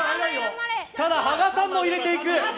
ただ、芳賀さんも入れていく！